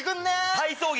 体操着